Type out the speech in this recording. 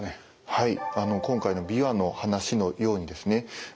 はい。